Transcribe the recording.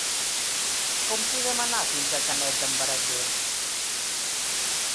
Com podem anar fins a Canet d'en Berenguer?